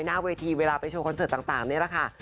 หน้าเวทีเวลาไปโชว์คอนเสิร์ตต่างนี่แหละค่ะ